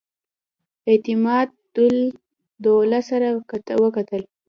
اعتمادالدوله سره وکتل.